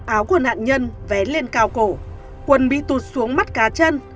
áo của nạn nhân vé lên cao cổ quần bị tụt xuống mắt cá chân